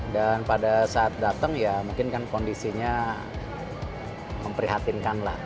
dan pada saat datang ya mungkin kan kondisinya memprihatinkan lah